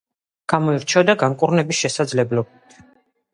გამოირჩეოდა განკურნების შესაძლებლობით.